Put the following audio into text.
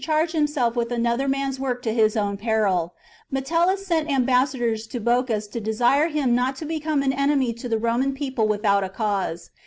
charge himself with another man s work to his own peril, Metellus sent ambassadors to Bocchus to desire him not to become an enemy to the Roman people without a cause.